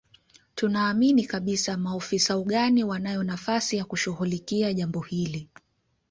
Tunaamini kabisa maofisa ugani wanayo nafasi ya kushughulikia jambo hili